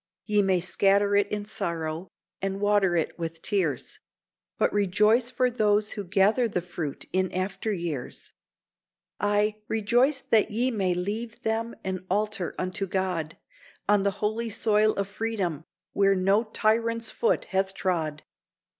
Ye may scatter it in sorrow, and water it with tears, But rejoice for those who gather the fruit in after years; Ay! rejoice that ye may leave them an altar unto God, On the holy soil of Freedom, where no tyrant's foot hath trod.